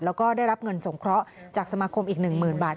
แล้วก็ได้รับเงินสงเคราะห์จากสมาคมอีก๑๐๐๐บาท